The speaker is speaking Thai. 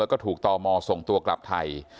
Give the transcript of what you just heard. ก็ถูกตอบหมอส่งตัวกลับไทย